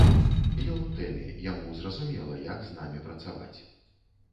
Ён у тэме, яму зразумела, як з намі працаваць.